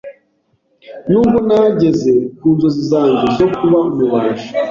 N’ubwo nageze ku nzozi zange zo kuba umubaji